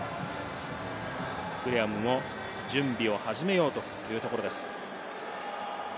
グレアムも準備を始めようというところです。